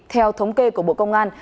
theo thống kê của bộ công an